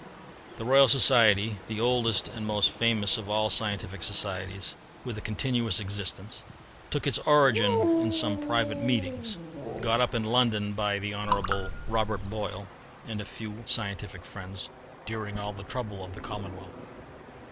The Royal Society, the oldest and most famous of all scientific societies with a continuous existence, took its origin in some private meetings, got up in London by the Hon. Robert Boyle and a few scientific friends, during all the trouble of the Commonwealth.